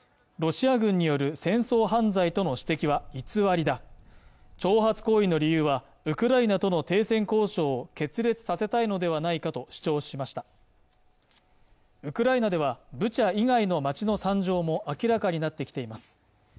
ロシア軍による戦争犯罪との指摘は偽りだ挑発行為の理由はウクライナとの停戦交渉を決裂させたいのではないかと主張しましたウクライナではブチャ以外の街の惨状も明らかになってきています